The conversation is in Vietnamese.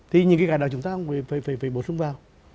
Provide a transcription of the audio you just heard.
thì những cái cải đạo chúng ta cũng phải bổ sung vào